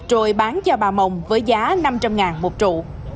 rồi bán cho bà mồng với giá năm trăm linh một trụ